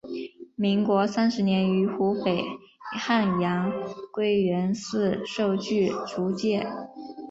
民国三十年于湖北汉阳归元寺受具足戒。